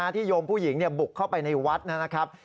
โยมผู้หญิงบุกเข้าไปในวัดนะครับ